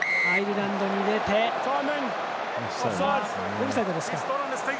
オフサイドですか。